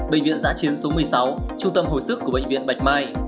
bệnh viện giã chiến số một mươi sáu trung tâm hồi sức của bệnh viện bạch mai